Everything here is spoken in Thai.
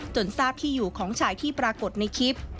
ทราบที่อยู่ของชายที่ปรากฏในคลิป